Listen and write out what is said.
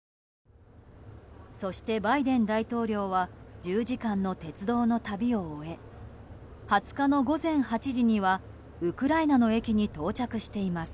そして、バイデン大統領は１０時間の鉄道の旅を終え２０日の午前８時にはウクライナの駅に到着しています。